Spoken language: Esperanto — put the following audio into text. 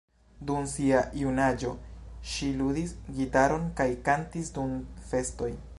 Dum sia junaĝo ŝi ludis gitaron kaj kantis dum festoj.